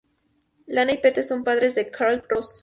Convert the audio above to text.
Lana y Pete son padres de Clark Ross.